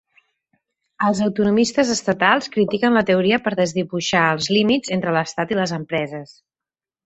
Els autonomistes estatals critiquen la teoria per desdibuixar els límits entre l'estat i les empreses.